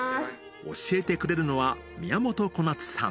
教えてくれるのは、宮本小夏さん。